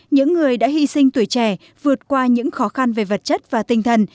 những người đã hy sinh tuổi trẻ vượt qua những khó khăn về vật chất và tinh thần